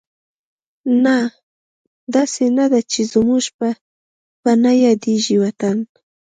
نه، داسې نه ده چې زموږ به نه یادېږي وطن